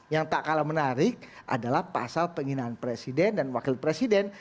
yang tak kalah menarik adalah pasal penghinaan presiden dan wakil presiden